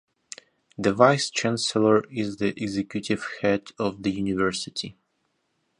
The Vice Chancellor is the executive head of the university.